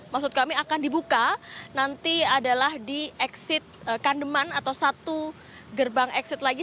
maksud kami akan dibuka nanti adalah di exit kandeman atau satu gerbang exit lagi